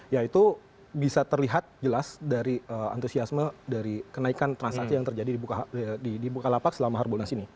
yaitu bisa terlihat jelas dari antusiasme dari kenaikan transaksi yang terjadi di bukalapak selama harbolnas ini